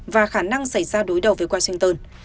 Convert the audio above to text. và khả năng xảy ra đối đầu với washington